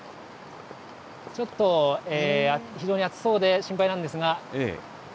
ちょっと非常に熱そうで心配なんですが。